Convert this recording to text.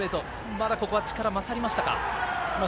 まだここは力が勝りましたか。